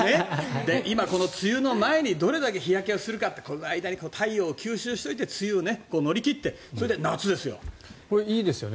今この梅雨の前にどれだけ日焼けをするかこの間に太陽を吸収しておいて梅雨を乗り切ってそれで夏ですよ。